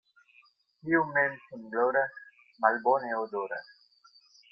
Kiu mem sin gloras, malbone odoras.